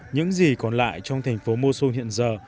những gì còn lại trong thành phố mosun hiện giờ